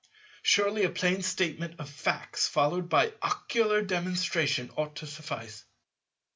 Surely a plain statement of facts followed by ocular demonstration ought to suffice.